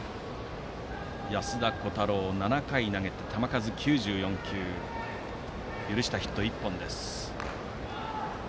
安田虎汰郎、７回投げて球数９４球許したヒットは１本です。